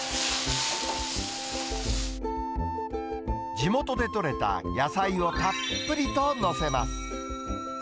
地元で取れた野菜をたっぷりと載せます。